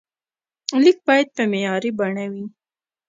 لیک باید په معیاري بڼه وي.